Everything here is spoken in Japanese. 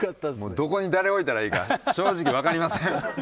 どこに誰置いたらいいか正直わかりません。